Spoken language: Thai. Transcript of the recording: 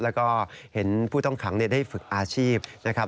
แล้วก็เห็นผู้ต้องขังได้ฝึกอาชีพนะครับ